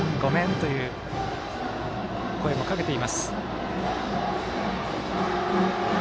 「ごめん！」という声もかけています。